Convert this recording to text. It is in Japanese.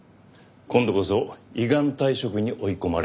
今度こそ依願退職に追い込まれるでしょう。